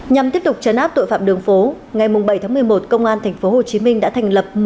nhằm tiếp tục trấn áp tội phạm đường phố ngày bảy tháng một mươi một công an tp hcm đã thành lập